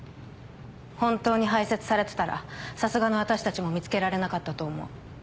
本当に排泄されてたらさすがの私たちも見つけられなかったと思う。